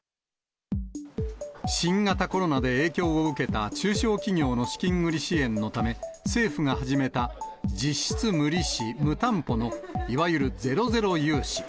新型コロナで影響を受けた中小企業の資金繰り支援のため、政府が始めた、実質無利子、無担保のいわゆるゼロゼロ融資。